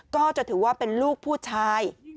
ก็จะถือว่าเป็นลูกผู้ชาย